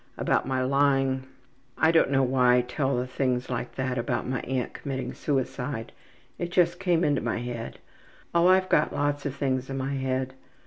``About my lying? I don't know why I tell things like that about my aunt committing suicide it just came into my head. Oh, I've got lots of things in my head.